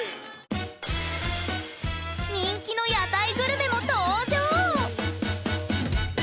人気の屋台グルメも登場！